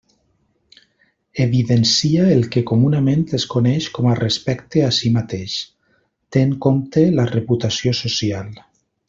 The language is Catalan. Evidencia el que comunament es coneix com a respecte a si mateix, té en compte la reputació social.